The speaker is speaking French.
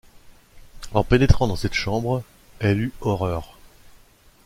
En pénétrant dans cette chambre, elle eut horreur.